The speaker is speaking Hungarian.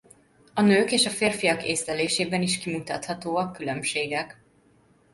A nők és a férfiak észlelésében is kimutathatóak különbségek.